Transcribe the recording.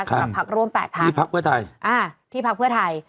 สำหรับพักร่วม๘พันที่พักเพื่อไทย